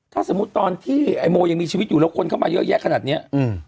ถ้าสมมุติตอนที่ไอ้โมยังมีชีวิตอยู่แล้วคนเข้ามาเยอะแยะขนาดเนี้ยอืม